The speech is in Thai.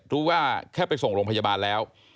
รู้ว่าแค่ไปส่งโรงพยาบาลแล้ว